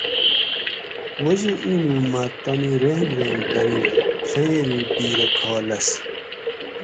وجہ اینوں مۤہ تانی رین رین دۤرین ڷئیری ڈِھیرہ کھا لھس